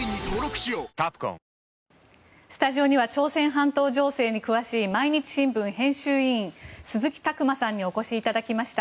そして、先ほど北朝鮮メディアはスタジオには朝鮮半島情勢に詳しい毎日新聞編集委員鈴木琢磨さんにお越しいただきました。